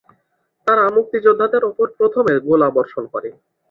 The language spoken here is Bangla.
তারা মুক্তিযোদ্ধাদের ওপর প্রথমে গোলাবর্ষণ করে।